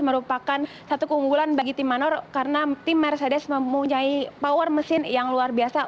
merupakan satu keunggulan bagi tim manor karena tim mercedes mempunyai power mesin yang luar biasa